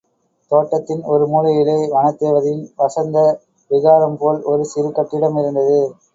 தோட்டத்தின் ஒரு மூலையிலே, வனதேவதையின் வஸந்த விஹாரம் போல் ஒரு சிறு கட்டிடம் இருந்தது.